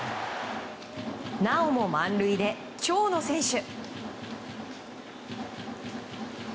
なおも満塁で長野選手。